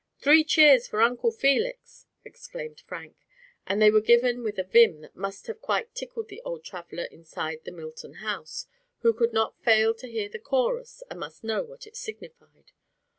"Three cheers for Uncle Felix!" exclaimed Frank; and they were given with a vim that must have quite tickled the old traveler inside the Milton house, who could not fail to hear the chorus and must know what it signified.